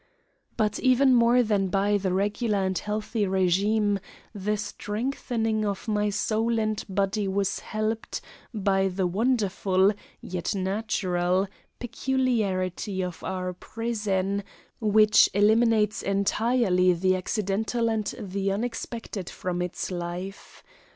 But even more than by the regular and healthy regime, the strengthening of my soul and body was helped by the wonderful, yet natural, peculiarity of our prison, which eliminates entirely the accidental and the unexpected from its life.